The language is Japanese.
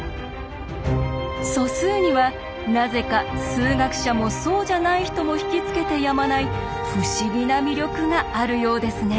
素数にはなぜか数学者もそうじゃない人も引き付けてやまない不思議な魅力があるようですね。